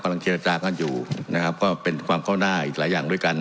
เจรจากันอยู่นะครับก็เป็นความเข้าหน้าอีกหลายอย่างด้วยกัน